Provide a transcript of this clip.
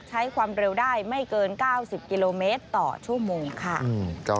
ใช้ความเร็วได้ไม่เกิน๙๐กิโลเมตรต่อชั่วโมงค่ะ